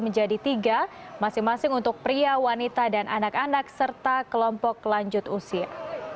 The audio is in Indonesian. menjadi tiga masing masing untuk pria wanita dan anak anak serta kelompok lanjut usia